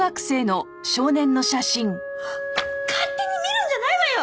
勝手に見るんじゃないわよ！